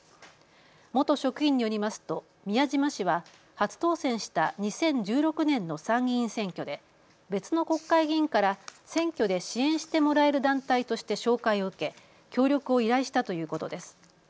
元職員によりますと宮島氏は初当選した２０１６年の参議院選挙で別の国会議員から選挙で支援してもらえる団体として紹介を受け協力を依頼したということです。